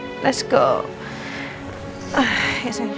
kelihatan semuanya di luar negeri